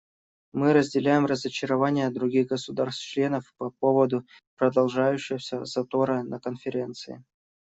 Мы разделяем разочарование других государств-членов по поводу продолжающегося затора на Конференции.